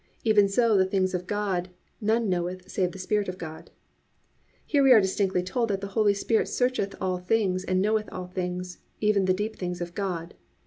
Even so the things of God none knoweth, save the Spirit of God."+ Here we are distinctly told that the Holy Spirit searcheth all things and knoweth all things, even the deep things of God.